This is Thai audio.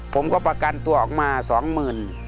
ผมก็ประกันตัวออกมา๒๐๐๐๐บาท